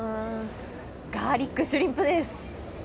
ガーリックシュリンプです。